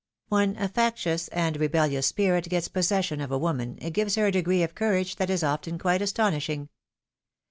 When a factious and rebellious spirit gets possession of a woman, it gives her a degree of coiirage that is often quite astonishing.